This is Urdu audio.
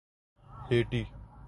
ہیٹی